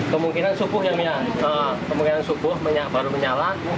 kemungkinan subuh baru menyala